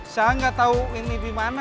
saya nggak tahu ini di mana